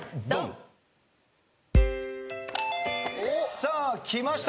さあきました。